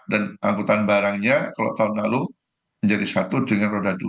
dan angkutan barangnya kalau tahun lalu menjadi satu dengan roda dua